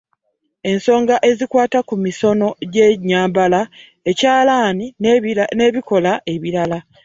Ensonga ezikwata ku misono gy’ennyambala, ekyalaani n’ebikola ebirala.